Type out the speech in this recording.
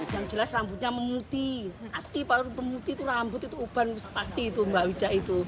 yang jelas rambutnya memutih pasti kalau memutih itu rambut itu uban pasti itu mbak widah itu